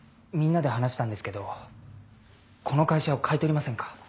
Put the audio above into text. みんなで話したんですけどこの会社を買い取りませんか？